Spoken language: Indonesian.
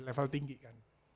di level tinggi kan